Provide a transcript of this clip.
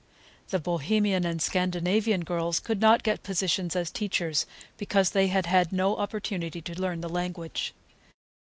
The Bohemian and Scandinavian girls could not get positions as teachers, because they had had no opportunity to learn the language.